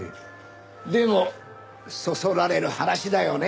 でもそそられる話だよね。